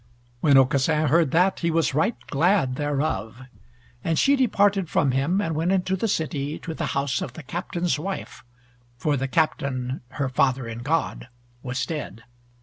When Aucassin heard that, he was right glad thereof. And she departed from him, and went into the city to the house of the Captain's wife, for the Captain her father in God was dead.